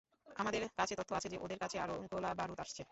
আমাদের কাছে তথ্য আছে যে ওদের কাছে আরও গোলাবারুদ আসছে।